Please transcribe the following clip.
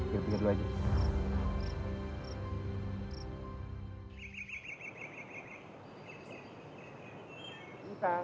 ya pilih dulu aja